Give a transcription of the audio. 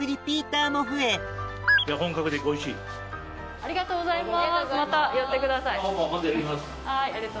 ありがとうございます。